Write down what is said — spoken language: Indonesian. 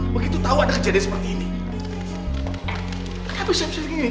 begitu tahu ada kejadiannya